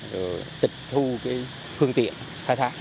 rồi tịch thu phương tiện khai thác